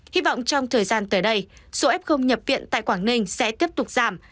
hy vọng trong thời gian tới đây số f nhập viện tại quảng ninh sẽ tiếp tục giảm